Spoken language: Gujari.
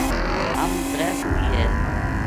ہم ترے سنگی ہے